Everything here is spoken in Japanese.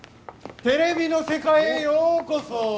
テレビの世界へようこそ！